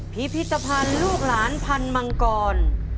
พิพิธภัณฑ์ลูกหลานพันธ์มังกร